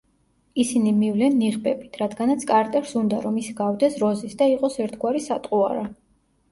ისინი მივლენ ნიღბებით, რადგანაც კარტერს უნდა, რომ ის ჰგავდეს როზის და იყოს ერთგვარი სატყუარა.